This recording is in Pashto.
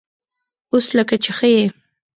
_اوس لکه چې ښه يې؟